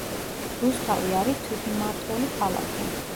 რუსთავი არის თვითმმართველი ქალაქი.